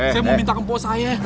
saya mau minta kempo saya